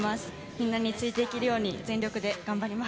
みんなについていけるように、全力で頑張ります。